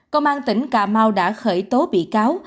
công an tỉnh cà mau đã khởi tố bị cáo